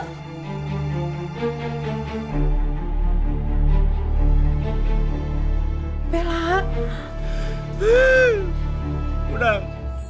akzinnya menyerangkan pondok olmak